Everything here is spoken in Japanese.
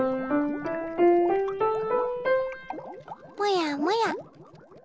もやもや。